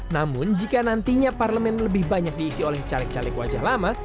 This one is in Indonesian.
namun jika nantinya parlemen lebih banyak diisi oleh caleg caleg wajah lama